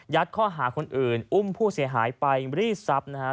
ข้อหาคนอื่นอุ้มผู้เสียหายไปรีดทรัพย์นะครับ